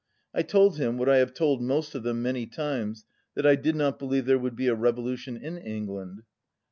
I told him, what I have told most of them many times, that I did not believe there would be a revo lution in England.